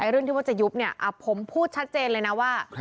เรื่องที่ว่าจะยุบเนี่ยผมพูดชัดเจนเลยนะว่า